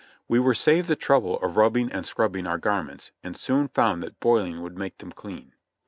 We were saved the trouble of rubbing and scrubbing our garments, and soon found that boiling would make them clean.